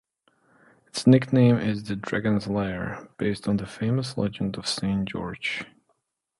Its nickname is "The Dragon's Lair" based on the famous legend of Saint George.